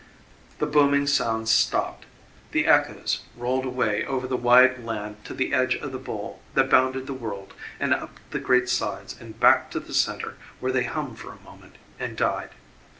The booming sound stopped; the echoes rolled away over the wide land to the edge of the bowl that bounded the world and up the great sides and back to the centre where they hummed for a moment and died.